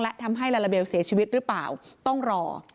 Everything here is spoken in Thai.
และทำให้ลาลาเบลเสียชีวิตหรือเปล่าต้องรอ